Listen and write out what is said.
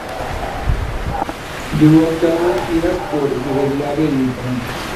Llevó a cabo giras por Yugoslavia e Italia.